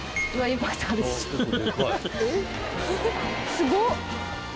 すごっ！